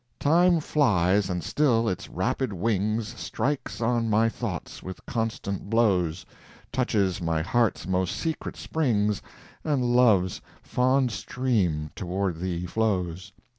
Time flies, and still its rapid wings Strikes on my thoughts with constant blows, Touches my heart's most secret springs, And love's fond stream toward thee flows.